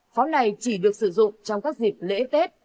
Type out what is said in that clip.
pháo này chỉ được sử dụng trong các dịp lễ tết